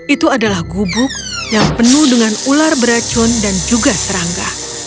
itu adalah gubuk yang penuh dengan ular beracun dan juga serangga